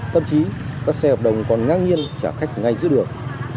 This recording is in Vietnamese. thậm chí các xe hợp đồng còn ngang nhiên trả khách ngay giữa đường